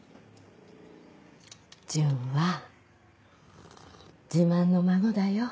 順は自慢の孫だよ。